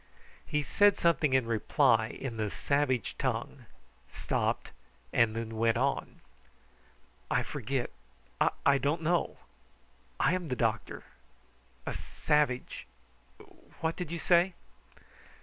He said something in reply in the savage tongue, stopped, and then went on. "I forget I don't know. I am the doctor a savage what did you say?"